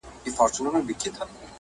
چوکۍ خالي ده او په ميز تشه پياله تاويږي